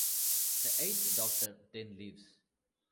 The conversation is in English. The Eighth Doctor then leaves.